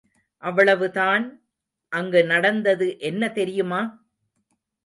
அவ்வளவுதான் அங்கு நடந்தது என்ன தெரியுமா?